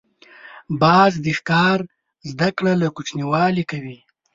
باز د ښکار زده کړه له کوچنیوالي کوي